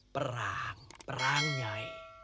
perang perang nyai